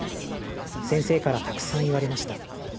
先生からたくさん言われました。